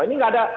ini nggak ada